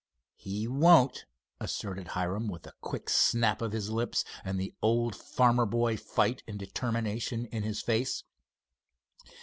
"He won't," asserted Hiram, with a quick snap of his lips, and the old farmer boy fight and determination in his face.